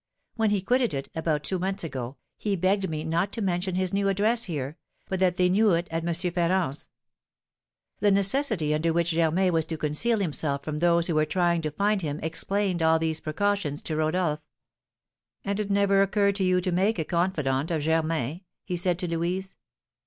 When he quitted it, about two months ago, he begged me not to mention his new address here, but that they knew it at M. Ferrand's." The necessity under which Germain was to conceal himself from those who were trying to find him explained all these precautions to Rodolph. "And it never occurred to you to make a confidant of Germain?" he said to Louise.